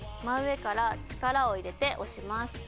真上から力を入れて押します